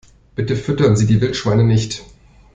Bitte füttern Sie die Wildschweine nicht!